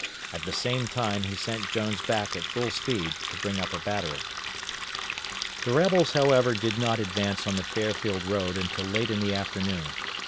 At the same time he sent Jones back at full speed to bring up a battery. The rebels, however, did not advance on the Fairfield road until late in the afternoon.